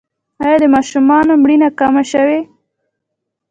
آیا د ماشومانو مړینه کمه شوې؟